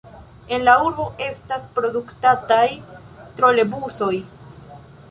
En la urbo estas produktataj trolebusoj.